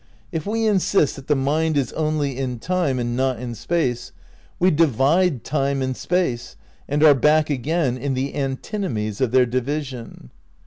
If we insist that the mind is only in time and not in space we divide time and space and are back again in the antinomies of their division.